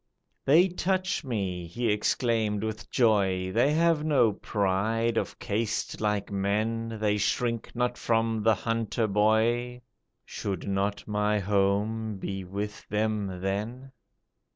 "They touch me," he exclaimed with joy, "They have no pride of caste like men, They shrink not from the hunter boy, Should not my home be with them then?